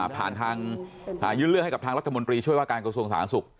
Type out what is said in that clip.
ผ่านทางยื่นเรื่องให้กับทางรัฐมนตรีช่วยว่าการกระทรวงสาธารณสุข